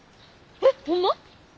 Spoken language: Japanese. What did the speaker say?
えっホンマ！？